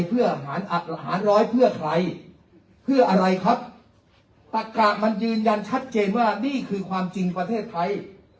เพื่อหารร้อยเพื่อใครเพื่ออะไรครับตะกะมันยืนยันชัดเจนว่านี่คือความจริงประเทศไทย